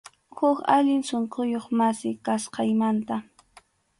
Huk allin sunquyuq masi, kasqaymanta.